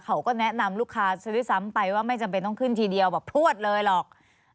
เขาก็แนะนำลูกค้าซะด้วยซ้ำไปว่าไม่จำเป็นต้องขึ้นทีเดียวแบบพลวดเลยหรอก